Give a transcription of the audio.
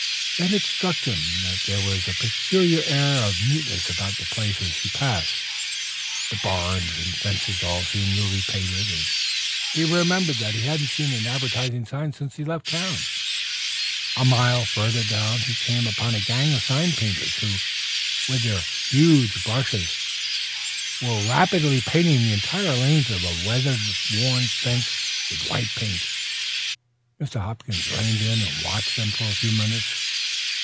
Then it struck him that there was a peculiar air of neatness about the places he passed. The barns and fences all seemed newly painted, and he remembered that he hadn't seen an advertising sign since he left town. A mile farther on he came upon a gang of the sign painters, who with their huge brushes were rapidly painting the entire length of a weather worn fence with white paint. Mr. Hopkins reined in and watched them for a few moments.